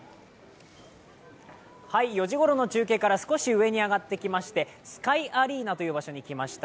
４時ごろの中継から少し上に上がってきましてスカイアリーナという場所に来ました。